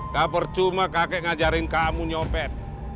gak percuma kakek ngajarin kamu nyopet